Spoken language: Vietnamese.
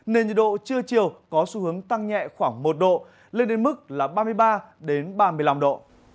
nền nhiệt độ trưa chiều có xu hướng tăng nhẹ khoảng một độ lên đến mức là ba mươi ba ba mươi năm độ